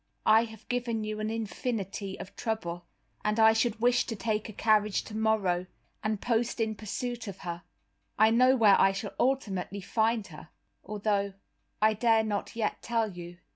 I have given you an infinity of trouble, and I should wish to take a carriage tomorrow, and post in pursuit of her; I know where I shall ultimately find her, although I dare not yet tell you."